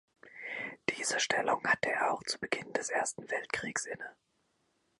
Diese Stellung hatte er auch zu Beginn des Ersten Weltkriegs inne.